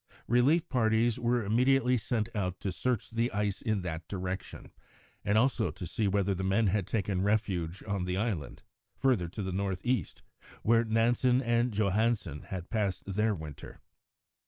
Relief parties were immediately sent out to search the ice in that direction, and also to see whether the men had taken refuge on the islands, further to the north east, where Nansen and Johansen had passed their winter.